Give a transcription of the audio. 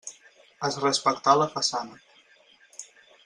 Es respectà la façana.